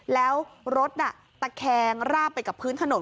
แล้วรถตะแคงราบไปกับพื้นถนน